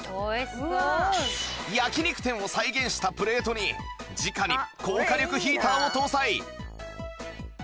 焼肉店を再現したプレートに直に高火力ヒーターを搭載！